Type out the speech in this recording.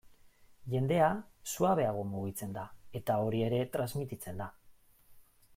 Jendea suabeago mugitzen da eta hori ere transmititzen da.